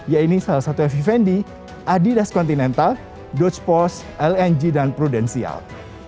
yaitu salah satu yang vivendi adidas continental dodge post lng dan prudential